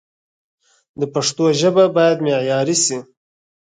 د پښتو ژبه باید معیاري شي